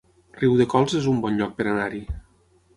Riudecols es un bon lloc per anar-hi